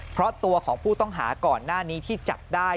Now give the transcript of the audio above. เพราะตัวของผู้ต้องหาก่อนหน้านี้ที่จับได้